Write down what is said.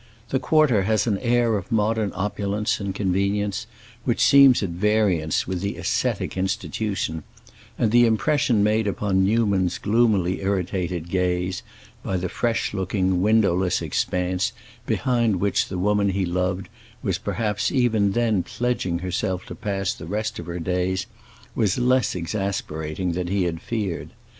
The quarter has an air of modern opulence and convenience which seems at variance with the ascetic institution, and the impression made upon Newman's gloomily irritated gaze by the fresh looking, windowless expanse behind which the woman he loved was perhaps even then pledging herself to pass the rest of her days was less exasperating than he had feared.